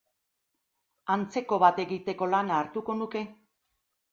Antzeko bat egiteko lana hartuko nuke.